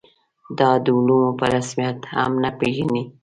دا ډول علوم په رسمیت هم نه پېژني.